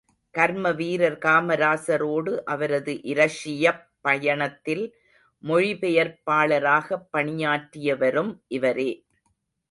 கர்ம வீரர் காமராசரோடு, அவரது இரஷியப் பயணத்தில், மொழிபெயர்ப்பாளராகப் பணியாற்றிவரும் இவரே.